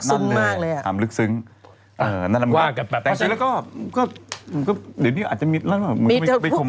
แต่จริงหรือคงมีดแล้ว